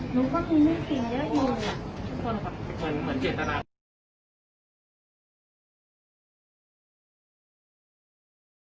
หนูก็มีหนุ่มสิ่งเยอะอยู่